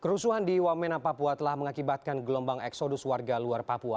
kerusuhan di wamena papua telah mengakibatkan gelombang eksodus warga luar papua